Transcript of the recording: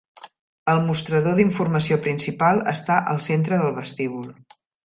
El mostrador d'informació principal està al centre del vestíbul.